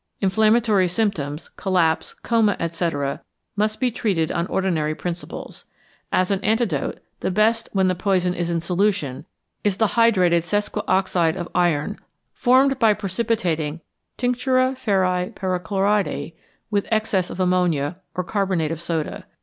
Inflammatory symptoms, collapse, coma, etc., must be treated on ordinary principles. As an antidote, the best when the poison is in solution is the hydrated sesquioxide of iron, formed by precipitating tinctura ferri perchloridi with excess of ammonia, or carbonate of soda.